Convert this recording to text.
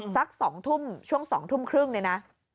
สัก๒ทุ่มช่วง๒ทุ่มครึ่งเนี่ยนะ